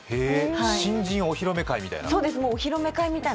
新人お披露目会みたいな？